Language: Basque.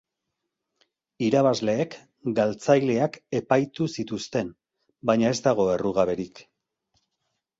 Irabazleek gaitzaileak epaitu zituzten, baina ez dago errugaberik.